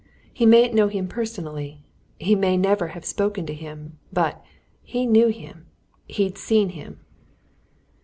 He mayn't know him personally. He may never have spoken to him. But he knew him! He'd seen him!"